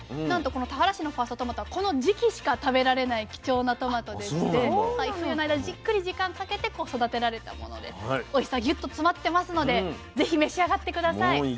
なんとこの田原市のファーストトマトはこの時期しか食べられない貴重なトマトでして冬の間じっくり時間かけてこう育てられたものでおいしさぎゅっと詰まってますので是非召し上がって下さい。